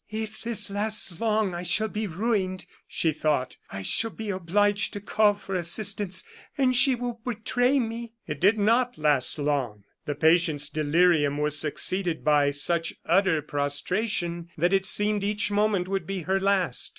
"If this lasts long, I shall be ruined," she thought. "I shall be obliged to call for assistance, and she will betray me." It did not last long. The patient's delirium was succeeded by such utter prostration that it seemed each moment would be her last.